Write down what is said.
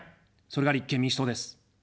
それが立憲民主党です。